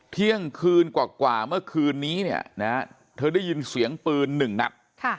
เที่ยงคืนกว่าเมื่อคืนนี้เนี่ยนะเธอได้ยินเสียงปืน๑นัด